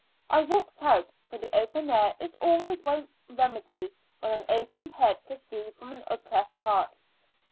I walked out, for the open air is always my remedy when an aching head proceeds from an oppressed heart.